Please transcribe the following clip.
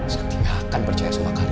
sakti gak akan percaya suatu hal